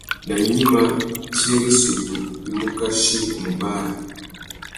Nà gnïma, tsi râ issutu i mù kachi u mù bàrrâ.